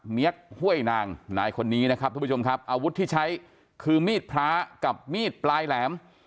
ห้วยนางนายคนนี้นะครับทุกผู้ชมครับอาวุธที่ใช้คือมีดพระกับมีดปลายแหลม